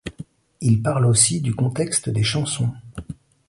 Il parle aussi du contexte des chansons.